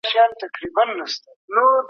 د شيانو نومونه پوهه او معرفت دی.